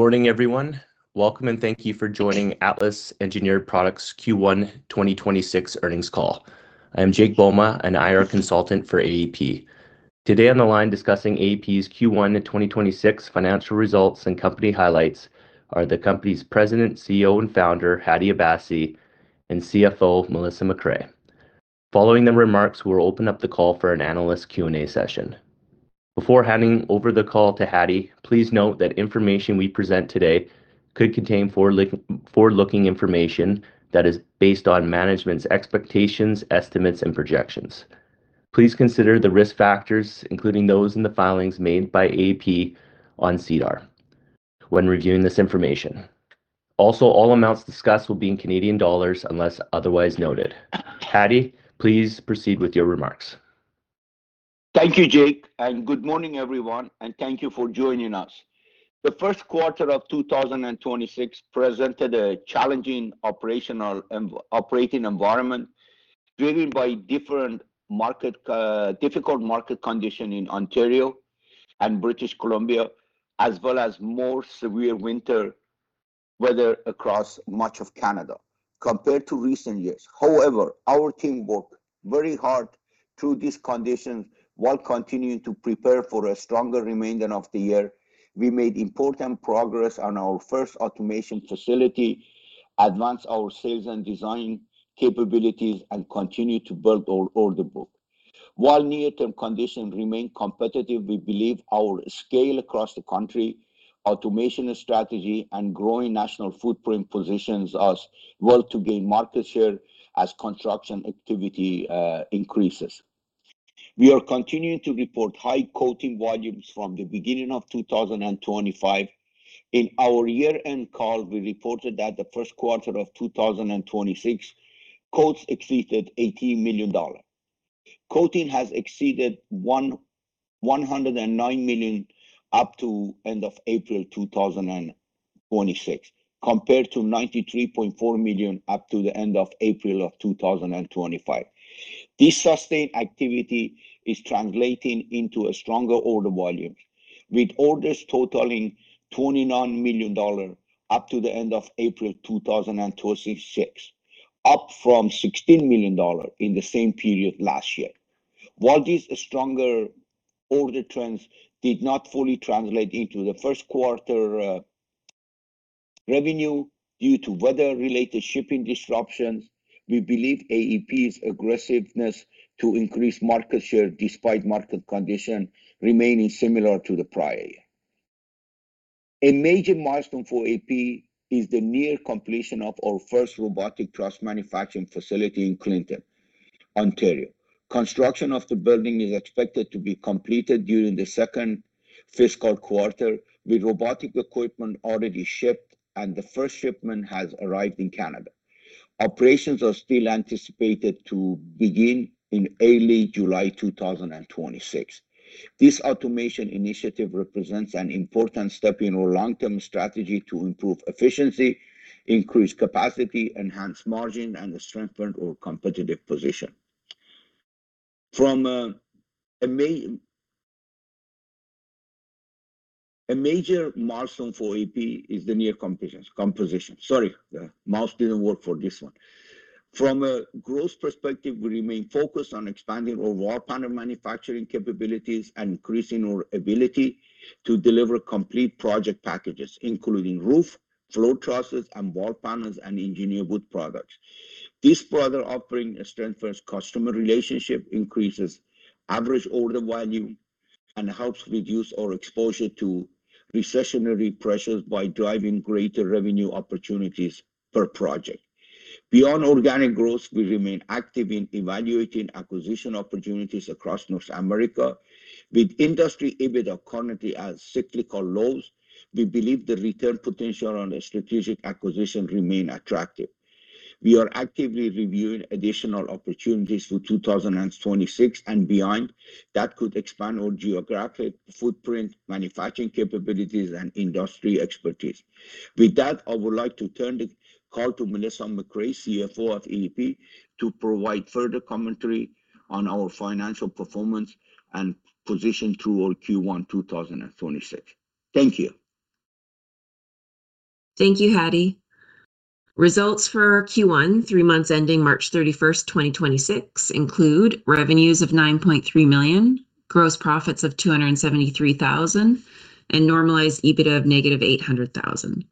Good morning, everyone. Welcome and thank you for joining Atlas Engineered Products Q1 2026 earnings call. I am Jake Bouma, an IR consultant for AEP. Today on the line discussing AEP's Q1 in 2026 financial results and company highlights are the company's President, Chief Executive Officer, and Founder, Hadi Abassi, and Chief Financial Officer, Melissa MacRae. Following the remarks, we'll open up the call for an analyst Q&A session. Before handing over the call to Hadi, please note that information we present today could contain forward-looking information that is based on management's expectations, estimates, and projections. Please consider the risk factors, including those in the filings made by AEP on SEDAR when reviewing this information. Also, all amounts discussed will be in Canadian dollars unless otherwise noted. Hadi, please proceed with your remarks. Thank you, Jake, and good morning, everyone, and thank you for joining us. The first quarter of 2026 presented a challenging operating environment, driven by difficult market condition in Ontario and British Columbia, as well as more severe winter weather across much of Canada compared to recent years. However, our team worked very hard through these conditions while continuing to prepare for a stronger remainder of the year. We made important progress on our first automation facility, advanced our sales and design capabilities, and continued to build our order book. While near-term conditions remain competitive, we believe our scale across the country, automation strategy, and growing national footprint positions us well to gain market share as construction activity increases. We are continuing to report high quoting volumes from the beginning of 2025. In our year-end call, we reported that the first quarter of 2026 quotes exceeded 18 million dollars. Quoting has exceeded 109 million up to end of April 2026, compared to 93.4 million up to the end of April of 2025. This sustained activity is translating into a stronger order volume, with orders totaling 29 million dollars up to the end of April 2026, up from 16 million dollars in the same period last year. While these stronger order trends did not fully translate into the first quarter revenue due to weather-related shipping disruptions, we believe AEP's aggressiveness to increase market share despite market condition remaining similar to the prior year. A major milestone for AEP is the near completion of our first robotic truss manufacturing facility in Clinton, Ontario. Construction of the building is expected to be completed during the second fiscal quarter, with robotic equipment already shipped and the first shipment has arrived in Canada. Operations are still anticipated to begin in early July 2026. This automation initiative represents an important step in our long-term strategy to improve efficiency, increase capacity, enhance margin, and strengthen our competitive position. A major milestone for AEP is the near composition. Sorry, the mouse didn't work for this one. From a growth perspective, we remain focused on expanding our wall panel manufacturing capabilities and increasing our ability to deliver complete project packages, including roof, floor trusses, and wall panels, and engineered wood products. This broader offering strengthens customer relationship, increases average order value, and helps reduce our exposure to recessionary pressures by driving greater revenue opportunities per project. Beyond organic growth, we remain active in evaluating acquisition opportunities across North America. With industry EBITDA currently at cyclical lows, we believe the return potential on a strategic acquisition remain attractive. We are actively reviewing additional opportunities for 2026 and beyond that could expand our geographic footprint, manufacturing capabilities, and industry expertise. With that, I would like to turn the call to Melissa MacRae, CFO of AEP, to provide further commentary on our financial performance and position through our Q1 2026. Thank you. Thank you, Hadi. Results for Q1, three months ending March 31st, 2026, include revenues of 9.3 million, gross profits of 273,000, and normalized EBITDA of -800,000.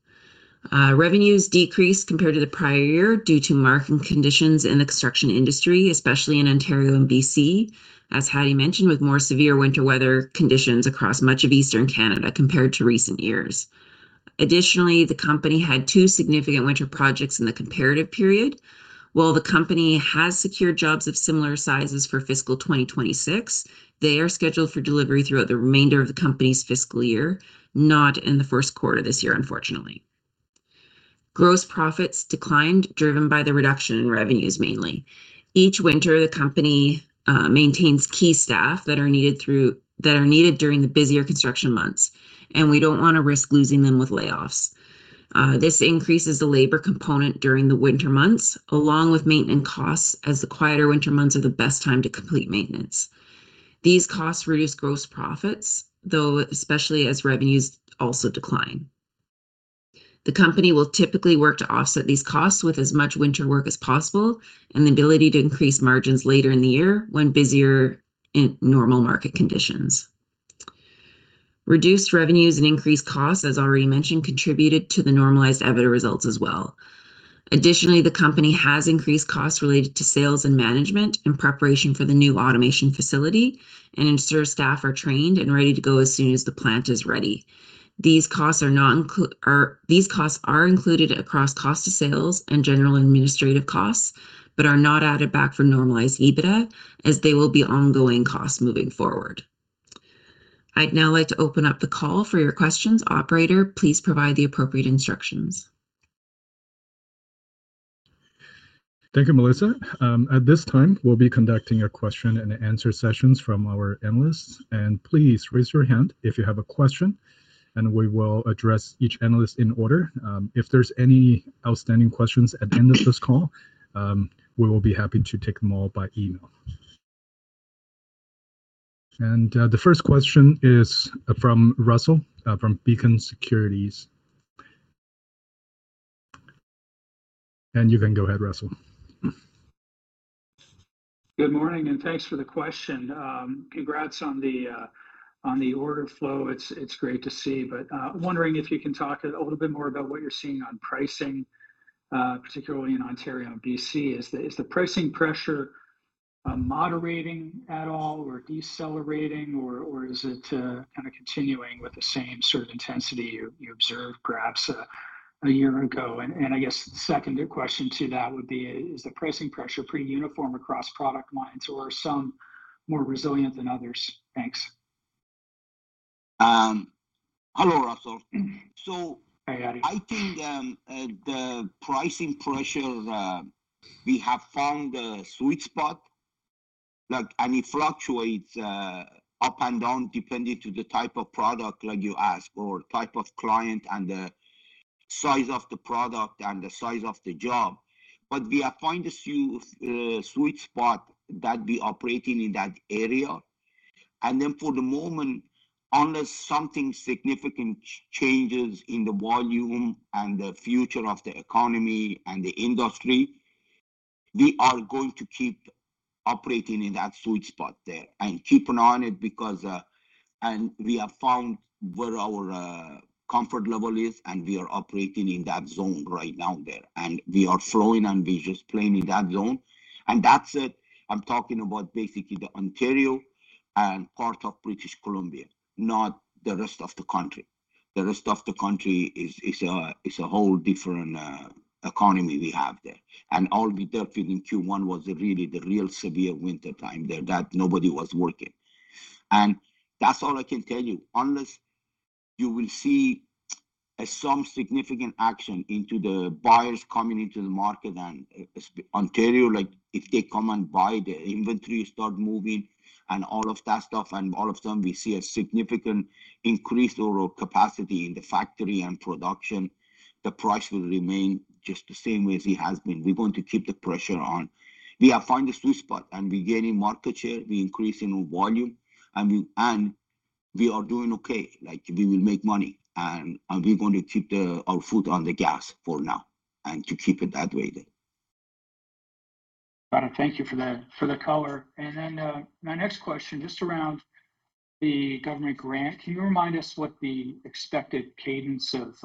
Revenues decreased compared to the prior year due to market conditions in the construction industry, especially in Ontario and B.C., as Hadi mentioned, with more severe winter weather conditions across much of Eastern Canada compared to recent years. Additionally, the company had two significant winter projects in the comparative period. While the company has secured jobs of similar sizes for fiscal 2026, they are scheduled for delivery throughout the remainder of the company's fiscal year, not in the first quarter this year, unfortunately. Gross profits declined, driven by the reduction in revenues, mainly. Each winter, the company maintains key staff that are needed during the busier construction months, and we don't want to risk losing them with layoffs. This increases the labor component during the winter months, along with maintenance costs, as the quieter winter months are the best time to complete maintenance. These costs reduce gross profits, though, especially as revenues also decline. The company will typically work to offset these costs with as much winter work as possible and the ability to increase margins later in the year when busier in normal market conditions. Reduced revenues and increased costs, as already mentioned, contributed to the normalized EBITDA results as well. Additionally, the company has increased costs related to sales and management in preparation for the new automation facility and ensure staff are trained and ready to go as soon as the plant is ready. These costs are included across cost of sales and general administrative costs but are not added back for normalized EBITDA as they will be ongoing costs moving forward. I'd now like to open up the call for your questions. Operator, please provide the appropriate instructions. Thank you, Melissa. At this time, we'll be conducting a question-and-answer sessions from our analysts. Please raise your hand if you have a question, and we will address each analyst in order. If there's any outstanding questions at the end of this call, we will be happy to take them all by email. The first question is from Russell from Beacon Securities. You can go ahead, Russell. Good morning, thanks for the question. Congrats on the order flow. It's great to see, but wondering if you can talk a little bit more about what you're seeing on pricing, particularly in Ontario and B.C. Is the pricing pressure moderating at all or decelerating, or is it kind of continuing with the same sort of intensity you observed perhaps a year ago? I guess the second question to that would be, is the pricing pressure pretty uniform across product lines, or are some more resilient than others? Thanks. Hello, Russell. Hi, Hadi. I think the pricing pressure, we have found a sweet spot, and it fluctuates up and down depending to the type of product like you ask or type of client and the size of the product and the size of the job. We have found a sweet spot that we operating in that area. For the moment, unless something significant changes in the volume and the future of the economy and the industry, we are going to keep operating in that sweet spot there and keeping on it. We have found where our comfort level is, and we are operating in that zone right now there, and we are flowing and we're just playing in that zone. That said, I'm talking about basically the Ontario and part of British Columbia, not the rest of the country. The rest of the country is a whole different economy we have there. All winter, particularly Q1, was really the real severe wintertime there that nobody was working. That's all I can tell you. Unless you will see some significant action into the buyers coming into the market and Ontario, like if they come and buy, the inventory start moving and all of that stuff, all of a sudden we see a significant increase of capacity in the factory and production, the price will remain just the same way as it has been. We're going to keep the pressure on. We have found a sweet spot, and we're gaining market share. We're increasing our volume. We are doing okay. Like, we will make money, and we're going to keep our foot on the gas for now and to keep it that way there. Got it. Thank you for the color. My next question, just around the government grant. Can you remind us what the expected cadence of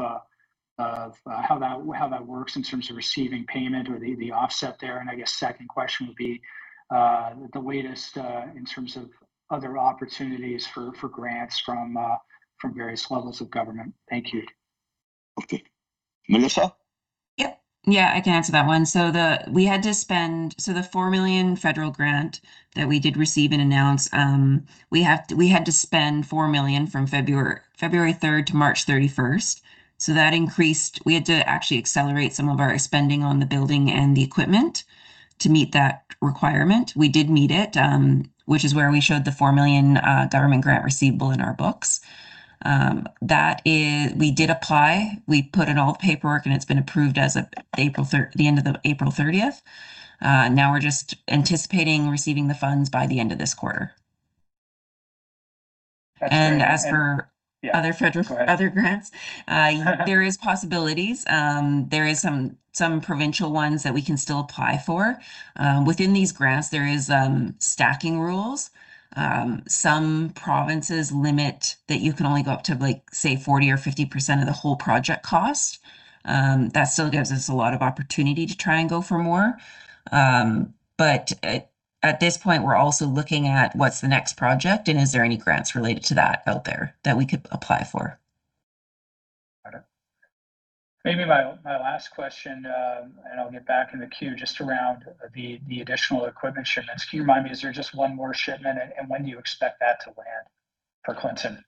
how that works in terms of receiving payment or the offset there? I guess second question would be the latest in terms of other opportunities for grants from various levels of government. Thank you. Okay. Melissa? Yep. Yeah, I can answer that one. The 4 million federal grant that we did receive and announce, we had to spend 4 million from February 3rd to March 31st. We had to actually accelerate some of our spending on the building and the equipment to meet that requirement. We did meet it, which is where we showed the 4 million government grant receivable in our books. We did apply. We put in all the paperwork, and it's been approved as at the end of April 30th. We're just anticipating receiving the funds by the end of this quarter. As for other grants, there is possibilities. There is some provincial ones that we can still apply for. Within these grants, there is stacking rules. Some provinces limit that you can only go up to like, say, 40% or 50% of the whole project cost. That still gives us a lot of opportunity to try and go for more. At this point, we're also looking at what's the next project and is there any grants related to that out there that we could apply for. Got it. Maybe my last question, and I will get back in the queue just around the additional equipment shipments. Can you remind me, is there just one more shipment and when do you expect that to land for Clinton?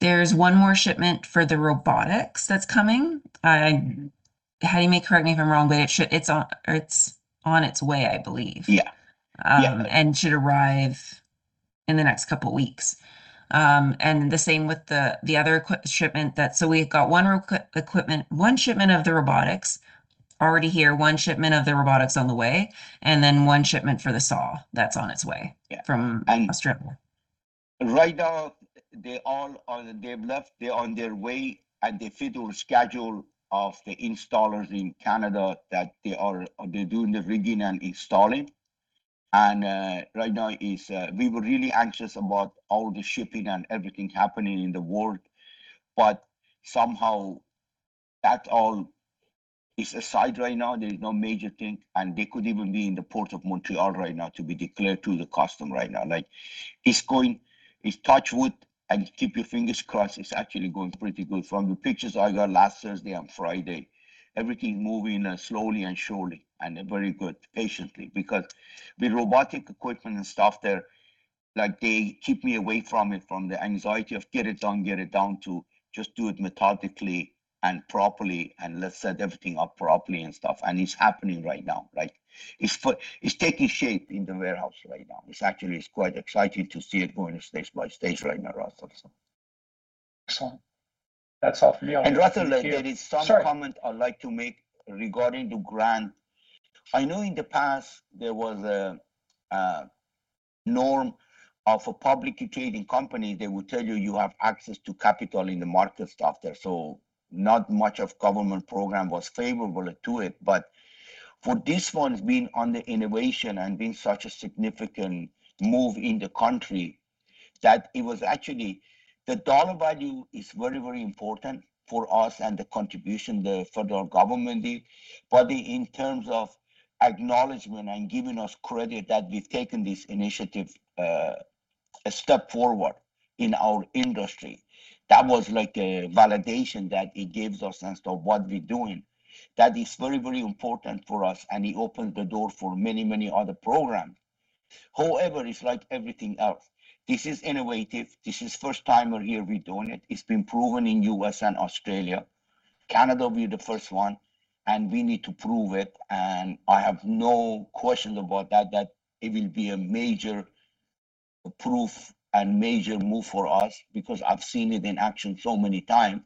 There's one more shipment for the robotics that's coming. Correct me if I'm wrong, Hadi, it's on its way, I believe. Yeah. Should arrive in the next couple of weeks. The same with the other equipment shipment. We've got one shipment of the robotics already here, one shipment of the robotics on the way, and then one shipment for the saw that's on its way from Australia. Right now, they've left, they're on their way, and they fit our schedule of the installers in Canada that they do the reading and installing. Right now, we were really anxious about all the shipping and everything happening in the world. Somehow that all is aside right now. There's no major thing, and they could even be in the Port of Montreal right now to be declared to the customs right now. It's touch wood and keep your fingers crossed. It's actually going pretty good. From the pictures I got last Thursday and Friday, everything moving slowly and surely and very good patiently, because the robotic equipment and stuff there, they keep me away from it, from the anxiety of get it done, get it down to just do it methodically and properly, and let's set everything up properly and stuff. It's happening right now. It's taking shape in the warehouse right now. It's actually quite exciting to see it going stage by stage right now, Russell. Excellent. That's all for me. I'll get back to the queue. Sorry. Russell, there is some comment I'd like to make regarding the grant. I know in the past there was a norm of a publicly traded company, they would tell you have access to capital in the market stuff there. Not much of government program was favorable to it. For this one, being on the innovation and being such a significant move in the country, that it was actually the dollar value is very, very important for us and the contribution the federal government did. In terms of acknowledgment and giving us credit that we've taken this initiative a step forward in our industry, that was like a validation that it gives us as to what we're doing. That is very, very important for us, and it opened the door for many, many other programs. However, it's like everything else. This is innovative. This is first time we're here, we're doing it. It's been proven in U.S. and Australia. Canada will be the first one. We need to prove it. I have no question about that it will be a major proof and major move for us because I've seen it in action so many times.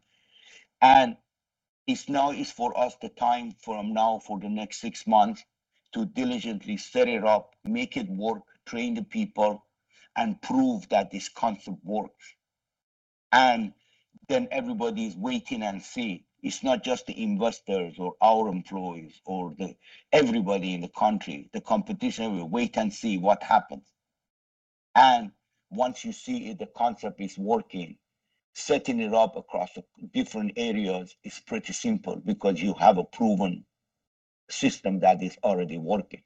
It's now is for us the time from now for the next six months to diligently set it up, make it work, train the people, and prove that this concept works. Everybody's waiting and see. It's not just the investors or our employees or everybody in the country, the competition will wait and see what happens. Once you see the concept is working, setting it up across different areas is pretty simple because you have a proven system that is already working.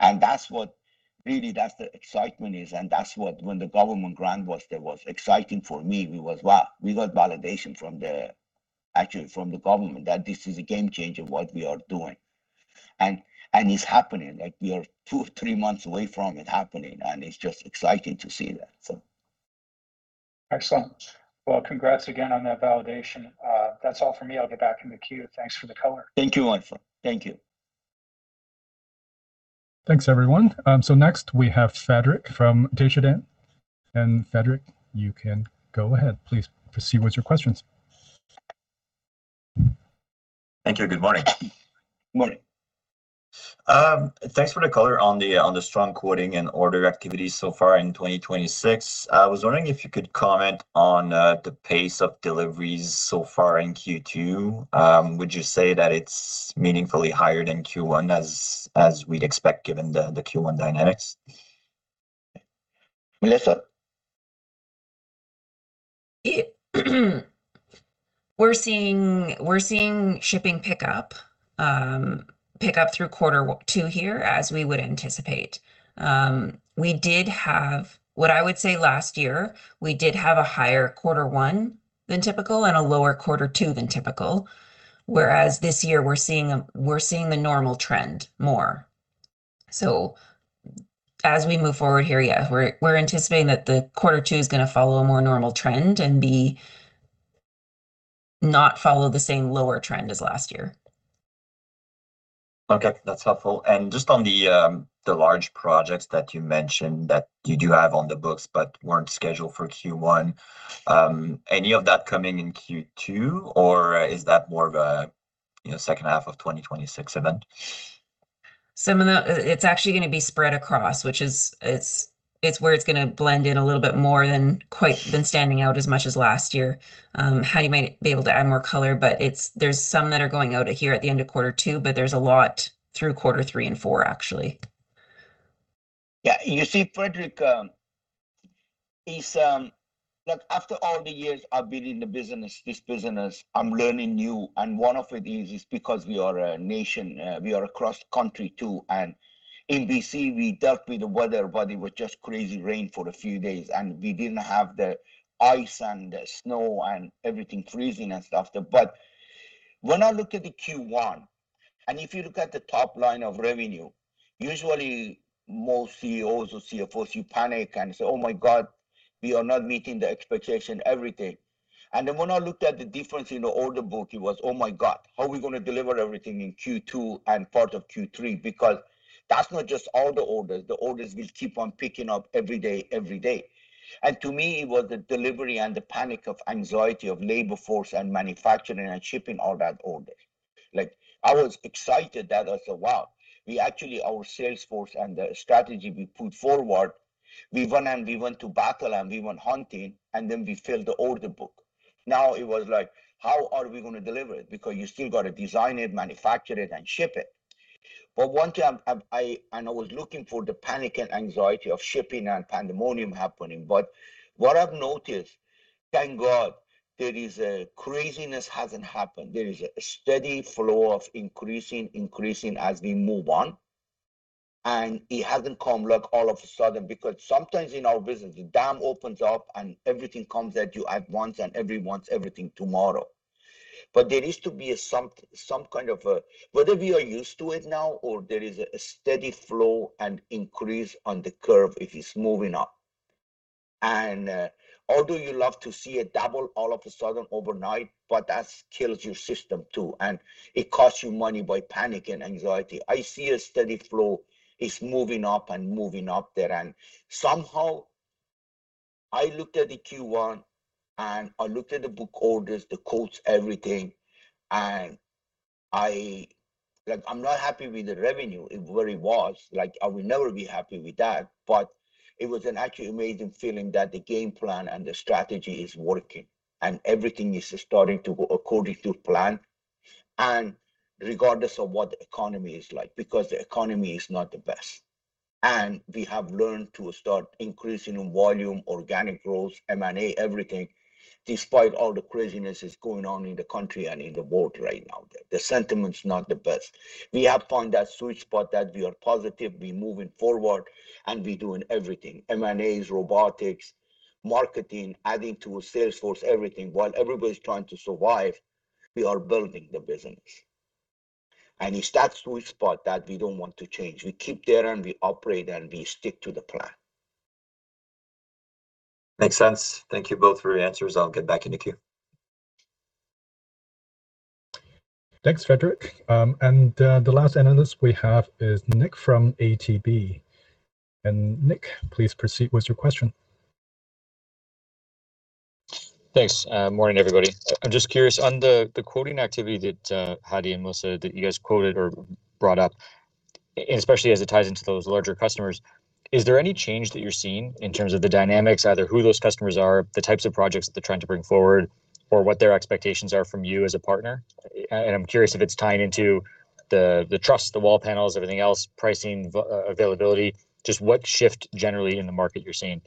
That's what really that's the excitement is, that's what when the government grant was there, was exciting for me. We was, "Wow." We got validation actually from the government that this is a game changer, what we are doing. It's happening. We are two, three months away from it happening, it's just exciting to see that. Excellent. Well, congrats again on that validation. That's all for me. I'll get back in the queue. Thanks for the color. Thank you, Russell. Thank you. Thanks, everyone. Next we have Frederic from Desjardins, and Frederic, you can go ahead, please, to see what your question is. Thank you. Good morning. Morning. Thanks for the color on the strong quoting and order activity so far in 2026. I was wondering if you could comment on the pace of deliveries so far in Q2. Would you say that it's meaningfully higher than Q1 as we'd expect given the Q1 dynamics? We're seeing shipping pick up through quarter two here as we would anticipate. What I would say last year, we did have a higher quarter one than typical and a lower quarter two than typical, whereas this year we're seeing the normal trend more. As we move forward here, yeah, we're anticipating that the quarter two is going to follow a more normal trend and not follow the same lower trend as last year. Okay, that's helpful. Just on the large projects that you mentioned that you do have on the books but weren't scheduled for Q1, any of that coming in Q2, or is that more of a second half of 2026 event? It's actually going to be spread across, which it's where it's going to blend in a little bit more than quite than standing out as much as last year. Hadi might be able to add more color, but there's some that are going out here at the end of quarter two, but there's a lot through quarter three and four, actually. Yeah. You see, Frederic, after all the years I've been in the business, this business, I'm learning new, and one of it is because we are a nation, we are a cross-country too. In B.C., we dealt with the weather, but it was just crazy rain for a few days, and we didn't have the ice and the snow and everything freezing and stuff there. When I look at the Q1, if you look at the top line of revenue, usually most CEOs or CFOs, you panic and say, 'Oh my God.' We are not meeting the expectation, everything. When I looked at the difference in the order book, it was, oh my God, how are we going to deliver everything in Q2 and part of Q3? That's not just all the orders, the orders will keep on picking up every day. To me, it was the delivery and the panic of anxiety of labor force and manufacturing and shipping all that order. I was excited that I said, "Wow," actually our sales force and the strategy we put forward, we went and we went to battle, and we went hunting, and then we filled the order book. It was like, how are we going to deliver it? You still got to design it, manufacture it, and ship it. One time, and I was looking for the panic and anxiety of shipping and pandemonium happening, but what I've noticed, thank God, that is a craziness hasn't happened. There is a steady flow of increasing as we move on, and it hasn't come like all of a sudden, because sometimes in our business, the dam opens up and everything comes at you at once and everyone's everything tomorrow. There needs to be some kind of whether we are used to it now or there is a steady flow and increase on the curve, it is moving up. Although you love to see it double all of a sudden overnight, that kills your system, too, and it costs you money by panic and anxiety. I see a steady flow. It's moving up and moving up there. Somehow I looked at the Q1 and I looked at the book orders, the quotes, everything, I'm not happy with the revenue, where it was. I will never be happy with that. It was an actually amazing feeling that the game plan and the strategy is working and everything is starting to go according to plan, and regardless of what the economy is like, because the economy is not the best. We have learned to start increasing volume, organic growth, M&A, everything, despite all the craziness that's going on in the country and in the world right now. The sentiment's not the best. We have found that sweet spot that we are positively moving forward and we're doing everything, M&As, robotics, marketing, adding to our sales force, everything. While everybody's trying to survive, we are building the business. It's that sweet spot that we don't want to change. We keep there and we operate and we stick to the plan. Makes sense. Thank you both for your answers. I'll get back in the queue. Thanks, Frederic. The last analyst we have is Nick from ATB. Nick, please proceed with your question. Thanks. Morning, everybody. I'm just curious on the quoting activity that, Hadi and Melissa, that you guys quoted or brought up, especially as it ties into those larger customers. Is there any change that you're seeing in terms of the dynamics, either who those customers are, the types of projects they're trying to bring forward, or what their expectations are from you as a partner? I'm curious if it's tying into the trusses, the wall panels, everything else, pricing, availability, just what shift generally in the market you're seeing.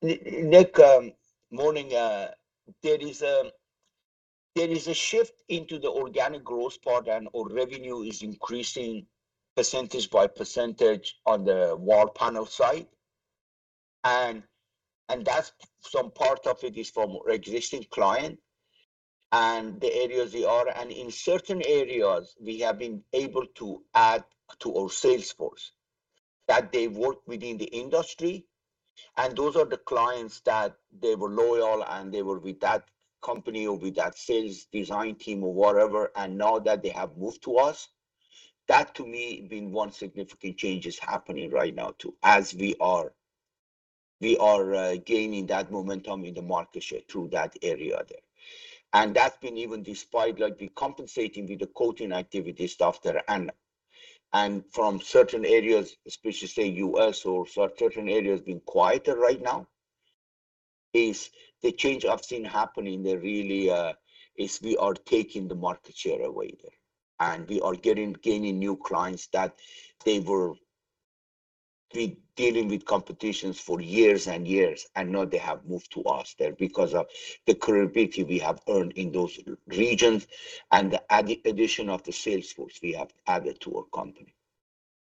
Nick, morning. There is a shift into the organic growth part and our revenue is increasing percentage by percentage on the wall panel side. That's some part of it is from existing clients and the areas we are. In certain areas, we have been able to add to our sales force, that they work within the industry. Those are the clients that they were loyal, and they were with that company or with that sales design team or whatever, and now that they have moved to us. That to me been one significant change is happening right now, too, as we are gaining that momentum in the market share through that area there. That's been even despite like we compensating with the quoting activity stuff there. From certain areas, especially say U.S. or certain areas being quieter right now, is the change I've seen happening there really is we are taking the market share away there, and we are gaining new clients that they were dealing with competitors for years and years, and now they have moved to us there because of the credibility we have earned in those regions and the addition of the sales force we have added to our company.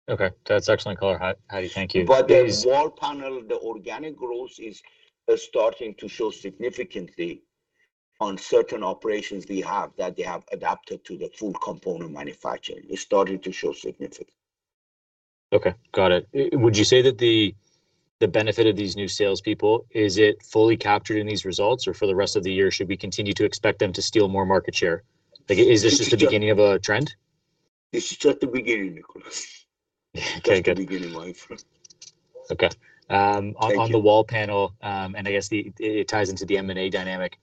Okay. That's excellent color, Hadi. Thank you. The wall panel, the organic growth is starting to show significantly on certain operations we have that they have adapted to the full component manufacturing. It's starting to show significant. Okay. Got it. Would you say that the benefit of these new salespeople, is it fully captured in these results? Or for the rest of the year, should we continue to expect them to steal more market share? Is this just the beginning of a trend? This is just the beginning, Nicholas. Okay, good. Just the beginning, my friend. Okay. Thank you. On the wall panel, and I guess it ties into the M&A dynamic,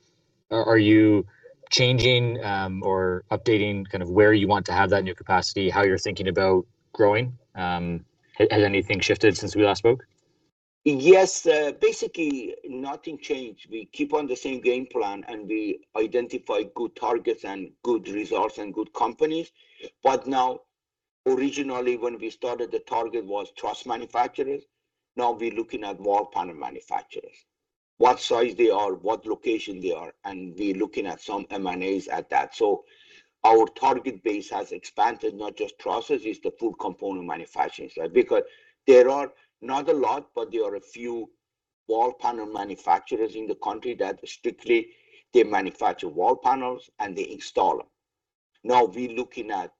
are you changing or updating kind of where you want to have that new capacity, how you're thinking about growing? Has anything shifted since we last spoke? Yes. Basically, nothing changed. We keep on the same game plan. We identify good targets and good results and good companies. Now, originally when we started, the target was truss manufacturers. Now we're looking at wall panel manufacturers, what size they are, what location they are. We're looking at some M&As at that. Our target base has expanded, not just trusses, it's the full component manufacturers. There are not a lot, but there are a few wall panel manufacturers in the country that strictly they manufacture wall panels and they install them. Now we're looking at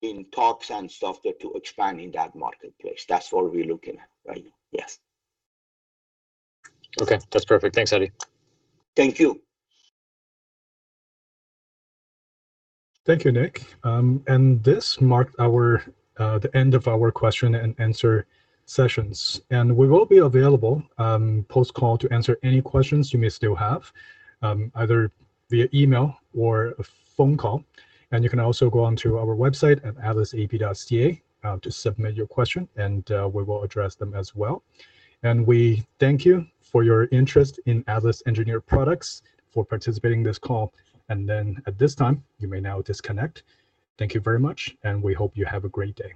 in talks and stuff there to expand in that marketplace. That's what we're looking at right now. Yes. Okay. That's perfect. Thanks, Hadi. Thank you. Thank you, Nick. This marked the end of our question-and-answer sessions. We will be available post-call to answer any questions you may still have, either via email or a phone call. You can also go onto our website at atlasaep.ca to submit your question and we will address them as well. We thank you for your interest in Atlas Engineered Products, for participating in this call. At this time, you may now disconnect. Thank you very much, and we hope you have a great day.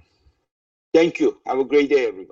Thank you. Have a great day, everyone.